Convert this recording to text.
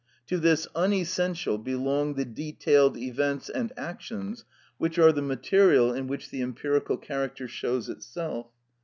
To this unessential belong the detailed events and actions which are the material in which the empirical character shows itself.